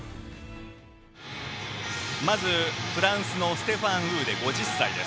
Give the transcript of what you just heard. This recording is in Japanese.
まず、フランスのステファン・ウーデ５０歳。